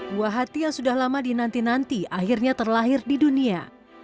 buah hati yang sudah lama dinanti nanti akhirnya terlahir di dunia